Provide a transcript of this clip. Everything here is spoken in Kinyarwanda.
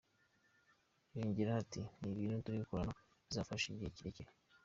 Yongeyeho ati "Ni ibintu turi gukoraho bizafata igihe kirekire.